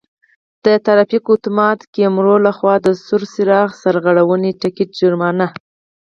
د ترافیکو آتومات کیمرو له خوا د سور څراغ سرغړونې ټکټ جرمانه: